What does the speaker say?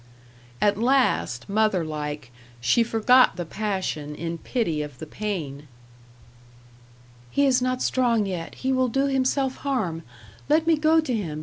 At last, mother like, she forgot the passion in pity of the pain. "He is not strong yet; he will do himself harm. Let me go to him!